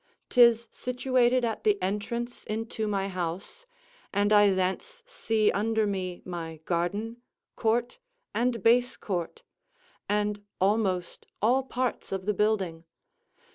'Tis situated at the entrance into my house, and I thence see under me my garden, court, and base court, and almost all parts of the building.